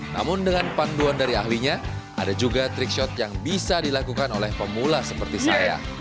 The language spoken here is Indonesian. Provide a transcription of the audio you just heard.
namun dengan panduan dari ahlinya ada juga trik shot yang bisa dilakukan oleh pemula seperti saya